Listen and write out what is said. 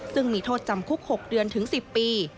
ซึ่งมีโทษจำคุก๖เดือนถึง๑๐ปี